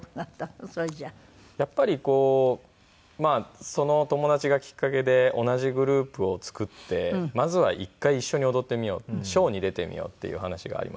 やっぱりその友達がきっかけで同じグループを作ってまずは一回一緒に踊ってみようショーに出てみようっていう話がありまして。